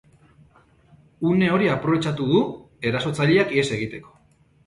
Une hori aprobetxatu du erasotzaileak ihes egiteko.